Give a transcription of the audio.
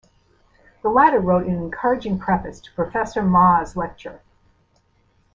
The latter wrote an encouraging preface to "Professor Mmaa's Lecture".